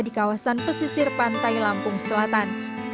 di kawasan pesisir pantai lampung selatan